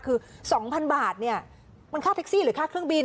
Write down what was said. คือ๒๐๐๐บาทเนี่ยมันค่าแท็กซี่หรือค่าเครื่องบิน